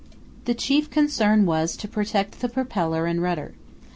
The chief concern was to protect the propeller and rudder.